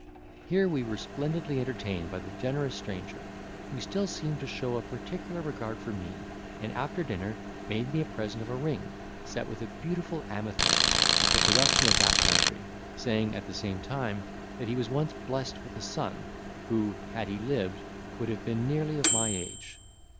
Here we were splendidly entertained by the generous stranger, who still seemed to show a particular regard for me, and after dinner made me a present of a ring, set with a beautiful amethyst, the production of that country, saying, at the same time, that he was once blessed with a son, who, had he lived, would have been nearly of my age.